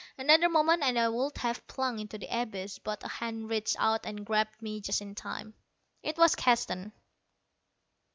Another moment and I would have plunged into the abyss, but a hand reached out and grabbed me just in time. It was Keston.